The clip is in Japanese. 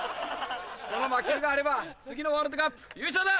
この魔球があれば次のワールドカップ優勝だ！